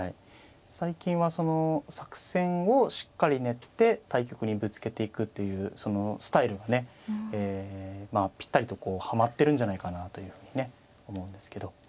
最近は作戦をしっかり練って対局にぶつけていくというそのスタイルがねぴったりとはまってるんじゃないかなというふうにね思うんですけど。